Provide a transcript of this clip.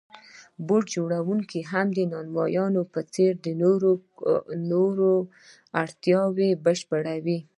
بوټ جوړونکی هم د نانوای په څېر د نورو اړتیاوې بشپړوي